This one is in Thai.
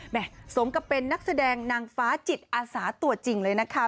สมกับเป็นนักแสดงนางฟ้าจิตอาสาตัวจริงเลยนะคะ